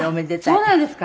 あっそうなんですか。